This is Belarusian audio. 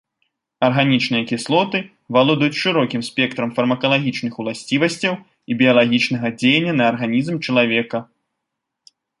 Арганічныя кіслоты валодаюць шырокім спектрам фармакалагічных уласцівасцяў і біялагічнага дзеяння на арганізм чалавека.